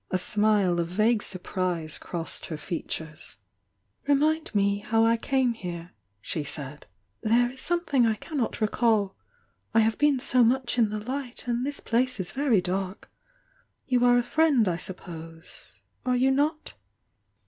A smile of vague surprise crossed her features^ "Remind me how I came here," she said, mere is sJmTthing I cannot recall. I have be^^ much in the light and this place is very dark. You are a friend, I suppose— are you not.'